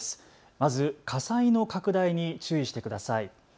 まず火災の拡大に注意してください。